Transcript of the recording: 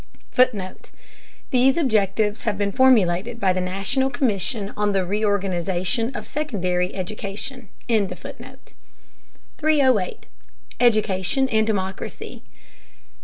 [Footnote: These objectives have been formulated by the National Commission on the Reorganization of Secondary Education.] 308. EDUCATION AND DEMOCRACY.